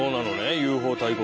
ＵＦＯ大国。